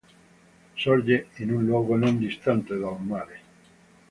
Sorge in un luogo non distante dal mare.